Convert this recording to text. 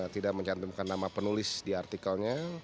tidak mencantumkan nama penulis di artikelnya